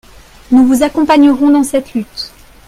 Nous vous accompagnerons dans cette lutte.